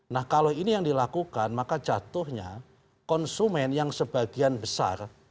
nah kalau ini yang dilakukan maka jatuhnya konsumen yang sebagian besar